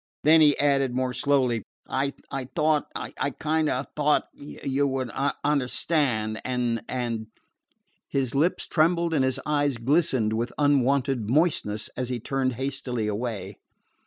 Then he added more slowly: "I thought I I kind o' thought you would understand, and and " His lips trembled and his eyes glistened with unwonted moistness as he turned hastily away.